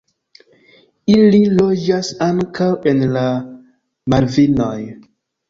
Ili loĝas ankaŭ en la Malvinoj.